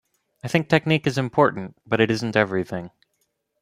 I think technique is important but it isn't everything.